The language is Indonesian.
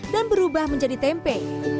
dan berubah menjadi tempe